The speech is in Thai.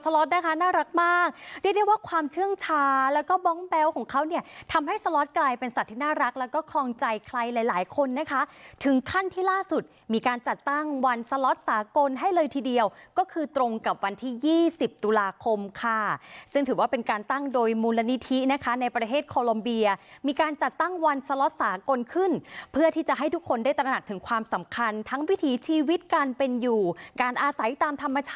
และก็ครองใจใครหลายคนนะคะถึงขั้นที่ล่าสุดมีการจัดตั้งวันสล็อตสากลให้เลยทีเดียวก็คือตรงกับวันที่๒๐ตุลาคมค่ะซึ่งถือว่าเป็นการตั้งโดยมูลนิธินะคะในประเทศโคลมเบียมีการจัดตั้งวันสล็อตสากลขึ้นเพื่อที่จะให้ทุกคนได้ตระหนักถึงความสำคัญทั้งวิถีชีวิตการเป็นอยู่การอาศัยตามธรร